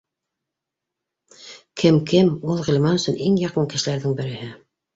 Кем, кем, ул Ғилман өсөн иң яҡын кешеләрҙең береһе